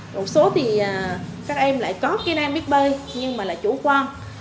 một số thì các em lại có kỹ năng biết bơi nhưng mà lại chủ quan